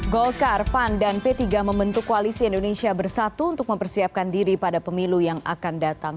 golkar pan dan p tiga membentuk koalisi indonesia bersatu untuk mempersiapkan diri pada pemilu yang akan datang